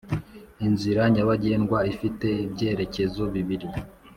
Inzira nyabagendwa ifite ibyerekezo bibiri